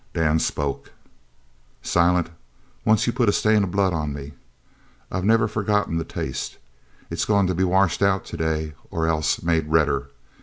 Dan spoke. "Silent, once you put a stain of blood on me. I've never forgot the taste. It's goin' to be washed out today or else made redder.